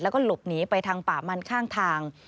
แล้วก็หลบหนีไปทางป่ามันข้างทาง